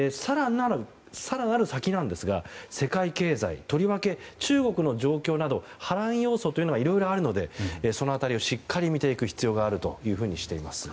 更なる先なんですが世界経済とりわけ中国の状況など波乱要素がいろいろあるのでその辺りをしっかり見ていく必要があるとしています。